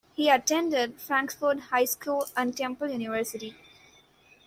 He attended Frankford High School and Temple University.